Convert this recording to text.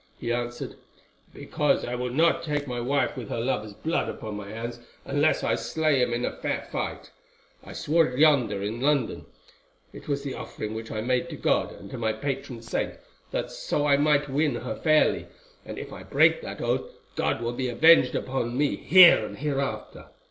He answered, 'Because I will not take my wife with her lover's blood upon my hands, unless I slay him in fair fight. I swore it yonder in London. It was the offering which I made to God and to my patron saint that so I might win her fairly, and if I break that oath, God will be avenged upon me here and hereafter.